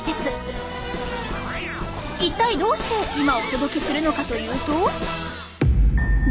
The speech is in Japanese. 一体どうして今お届けするのかというと。